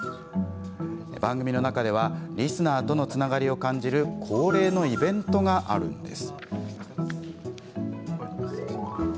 番組の中ではリスナーとのつながりを感じる恒例のイベントがあるんです。